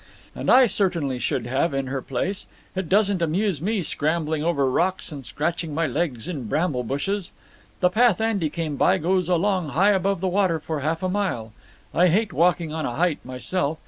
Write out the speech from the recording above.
And I certainly should have in her place. It doesn't amuse me scrambling over rocks and scratching my legs in bramble bushes. The path Andy came by goes along high above the water for half a mile. I hate walking on a height myself.